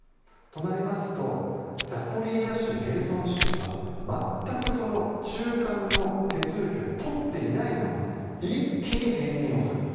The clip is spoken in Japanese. となりますとザポリージャ州、ヘルソン州は全く中間の手続きを取っていないまま一気に編入をする。